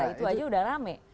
itu aja sudah rame